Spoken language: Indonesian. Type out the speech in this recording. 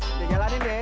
kita jalanin deh